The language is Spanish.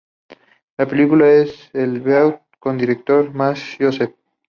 La película es el debut como director de Max Joseph.